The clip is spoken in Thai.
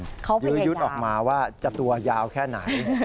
ยื้อยุดออกมาว่าจะตัวยาวแค่ไหน